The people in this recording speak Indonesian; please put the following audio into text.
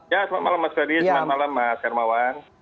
ya selamat malam mas verdi selamat malam mas remawan